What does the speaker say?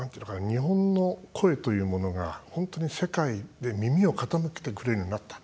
日本の声というものが本当に世界で耳を傾けてくれるようになった。